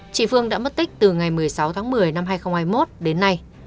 chị phương đã mất tích từ ngày một mươi sáu tháng một mươi năm hai nghìn hai mươi một đến nay